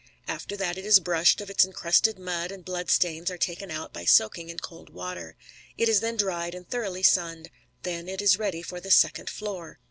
After that it is brushed of its encrusted mud and blood stains are taken out by soaking in cold water. It is then dried and thoroughly sunned. Then it is ready for the second floor.